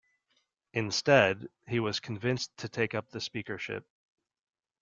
Instead, he was convinced to take up the Speakership.